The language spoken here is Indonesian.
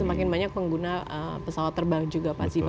semakin banyak pengguna pesawat terbang juga pak ziva